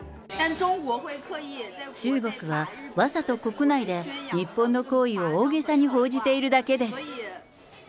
中国は、わざと国内で日本の行為を大げさに報じているだけです。